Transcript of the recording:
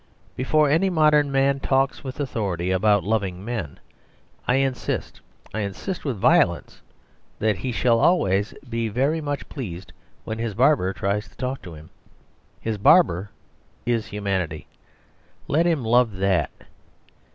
Before any modern man talks with authority about loving men, I insist (I insist with violence) that he shall always be very much pleased when his barber tries to talk to him. His barber is humanity: let him love that.